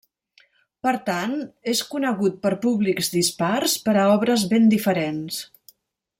Per tant, és conegut per públics dispars per a obres ben diferents.